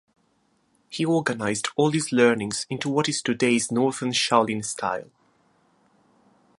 He organized all his learnings into what is today's Northern Shaolin style.